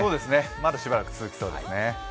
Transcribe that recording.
まだしばらく続きそうですね。